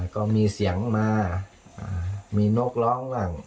ก็มีเสียงมามีนกร้องบ้าง